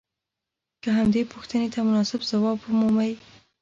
که همدې پوښتنې ته مناسب ځواب ومومئ.